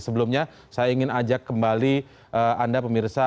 sebelumnya saya ingin ajak kembali anda pemirsa